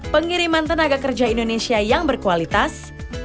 pengiriman tenaga kerja indonesia yang berkualitas